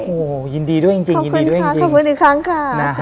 โอ้โหยินดีด้วยจริงขอบคุณค่ะขอบคุณอีกครั้งค่ะ